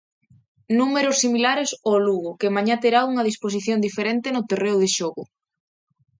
Números similares ao Lugo que mañá terá unha disposición diferente no terreo de xogo.